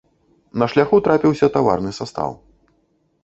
На шляху трапіўся таварны састаў.